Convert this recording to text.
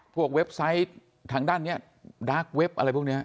เว็บไซต์ทางด้านนี้ดาร์กเว็บอะไรพวกนี้